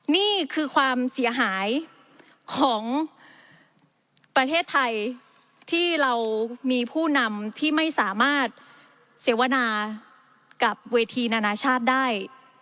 นี่คือความเสียหายของประเทศไทยที่เรามีผู้นำที่ไม่สามารถเสวนากับเวทีนานาชาติได้